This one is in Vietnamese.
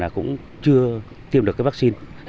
cũng chưa tiêm được cái vaccine